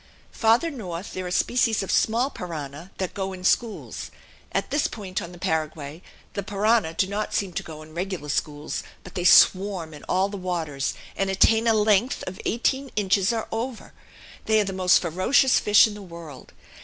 Farther north there are species of small piranha that go in schools. At this point on the Paraguay the piranha do not seem to go in regular schools, but they swarm in all the waters and attain a length of eighteen inches or over. They are the most ferocious fish in the world.